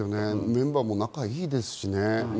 メンバーも仲いいですし。